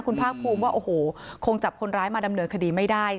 คุณภาคภูมิว่าโอ้โหคงจับคนร้ายมาดำเนินคดีไม่ได้